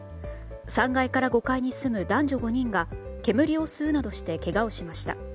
３階から５階に住む男女５人が、煙を吸うなどしてけがをしました。